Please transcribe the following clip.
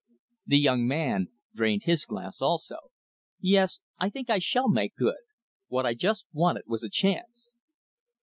The young man drained his glass also. "Yes, I think I shall make good. What I just wanted was a chance."